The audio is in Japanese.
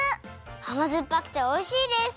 あまずっぱくておいしいです！